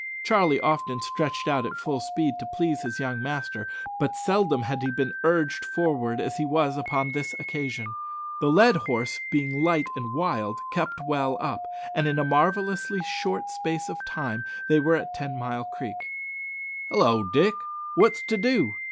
Charlie often stretched out at full speed to please his young master, but seldom had he been urged forward as he was upon this occasion. The led horse being light and wild, kept well up, and in a marvellously short space of time they were at Ten mile Creek. "Hallo, Dick, wot's to do?"